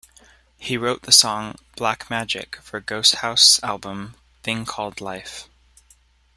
He wrote the song "Black Magic" for Ghosthouse's album "Thing Called Life".